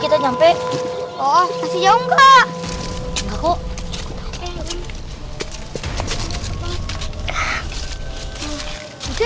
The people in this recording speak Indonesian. kita sampai oh nggak kok